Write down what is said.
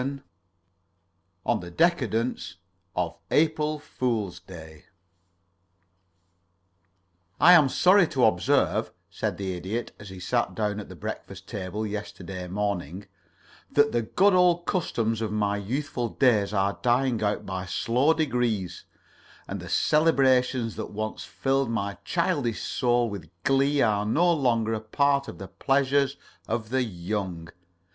VII ON THE DECADENCE OF APRIL FOOL'S DAY "I am sorry to observe," said the Idiot, as he sat down at the breakfast table yesterday morning, "that the good old customs of my youthful days are dying out by slow degrees, and the celebrations that once filled my childish soul with glee are no longer a part of the pleasures of the young.